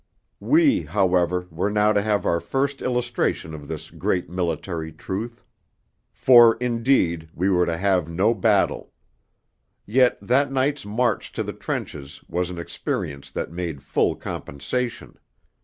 We, however, were now to have our first illustration of this great military truth. For, indeed, we were to have no battle. Yet that night's march to the trenches was an experience that made full compensation.